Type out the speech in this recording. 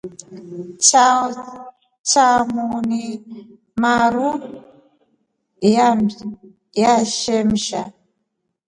Chao chamo ni maru ya shemsa.